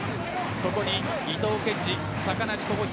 ここに伊藤健士坂梨朋彦